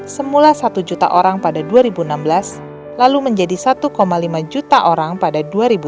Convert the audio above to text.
semula satu juta orang pada dua ribu enam belas lalu menjadi satu lima juta orang pada dua ribu tujuh belas